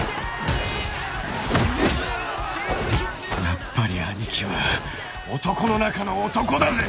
やっぱりアニキは男の中の男だぜ！